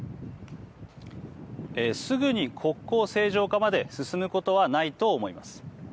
すぐに国交正常化まで進むことはないと思います。